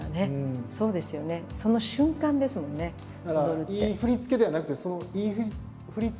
その瞬間ですもんね踊るって。